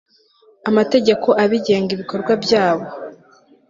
amategeko abigenga ibikorwa byabo